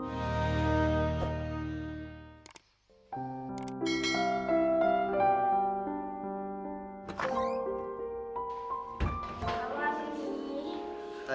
kamu mau ngasih ngisini